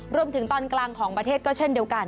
รวมถึงตอนกลางของประเทศก็เช่นเดียวกัน